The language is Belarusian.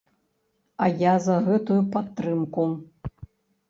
А я за гэтую падтрымку.